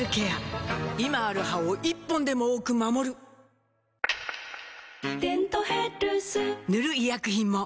今ある歯を１本でも多く守る「デントヘルス」塗る医薬品も